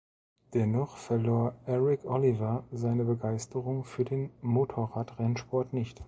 Dennoch verlor Eric Oliver seine Begeisterung für den Motorradrennsport nicht.